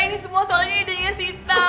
ini semua soalnya ide ide sita